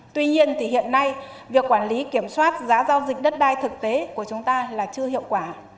tuy nhiên thì hiện nay việc quản lý kiểm soát giá giao dịch đất đai thực tế của chúng ta là chưa hiệu quả